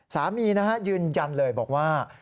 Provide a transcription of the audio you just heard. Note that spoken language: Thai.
สามียืนยันเลยบอกว่า